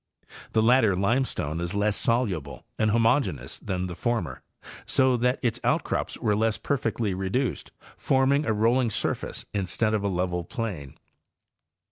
The latter limestone is less soluble and homogeneous than the former, so that its out crops were less perfectly reduced, forming a rolling surface in stead of a level plain.